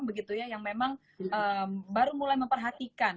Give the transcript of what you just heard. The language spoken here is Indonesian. begitu ya yang memang baru mulai memperhatikan